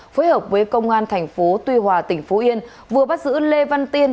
phối hợp với công an tp tuy hòa tỉnh phú yên vừa bắt giữ lê văn tiên